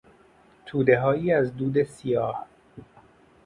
تودههایی از دود سیاه